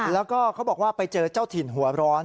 แล้วก็เขาบอกว่าไปเจอเจ้าถิ่นหัวร้อน